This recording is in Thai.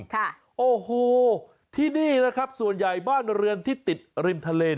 ค่ะโอ้โหที่นี่นะครับส่วนใหญ่บ้านเรือนที่ติดริมทะเล